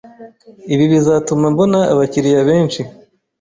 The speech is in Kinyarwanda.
ibi bizatuma mbona abakiriya benshi